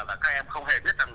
các em không hề biết rằng